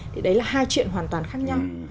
thì đấy là hai chuyện hoàn toàn khác nhau